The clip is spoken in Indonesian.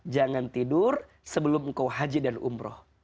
jangan tidur sebelum engkau haji dan umroh